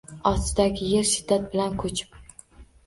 Ostidagi yeri shiddat bilan ko‘chib